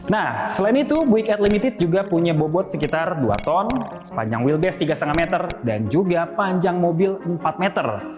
nah selain itu buick ad limited juga punya bobot sekitar dua ton panjang wheelbase tiga lima meter dan juga panjang mobil empat meter